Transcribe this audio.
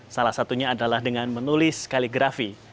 salah satunya adalah dengan menulis kaligrafi